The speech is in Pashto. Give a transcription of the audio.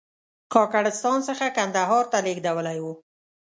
کاکړستان څخه کندهار ته لېږدېدلی و.